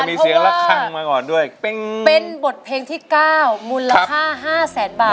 มีเสียงระคังมาก่อนด้วยเป็นบทเพลงที่เก้ามูลค่าห้าแสนบาท